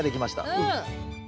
うん。